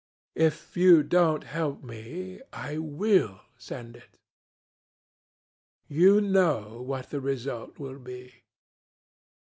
If you don't help me, I will send it. You know what the result will be.